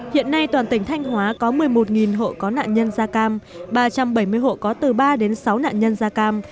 hiện nay toàn tỉnh thanh hóa có một mươi một hộ có nạn nhân da cam ba trăm bảy mươi hộ có từ ba đến sáu nạn nhân da cam